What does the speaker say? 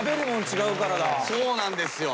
そうなんですよ。